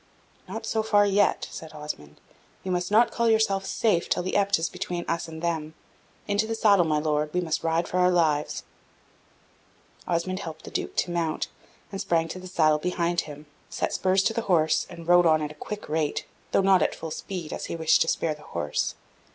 "Not so far yet," said Osmond; "you must not call yourself safe till the Epte is between us and them. Into the saddle, my Lord; we must ride for our lives." [Picture: Escape from captivity] Osmond helped the Duke to mount, and sprang to the saddle behind him, set spurs to the horse, and rode on at a quick rate, though not at full speed, as he wished to spare the horse.